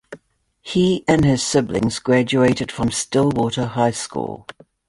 He and his siblings graduated from Stillwater High School.